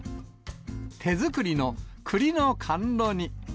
手作りのくりの甘露煮。